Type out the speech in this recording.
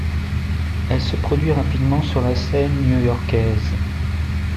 Elle se produit rapidement sur la scène new-yorkaise.